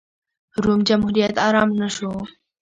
روم جمهوریت ارام نه شو.